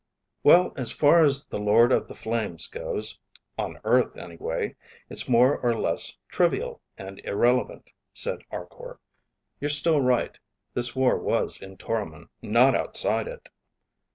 "Well, as far as the Lord of the Flames goes, on Earth anyway, it's more or less trivial and irrelevant," said Arkor. "You're still right. This war is in Toromon, not outside it."